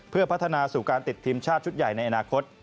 เพื่อพัฒนาสู่การติดทีมชาติชุดใหญ่ในอนาคต